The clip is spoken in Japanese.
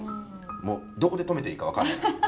もうどこで止めていいか分かんない。